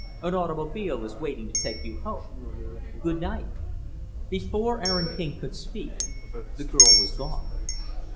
An automobile is waiting to take you home. Good night." Before Aaron King could speak, the girl was gone. "Mr.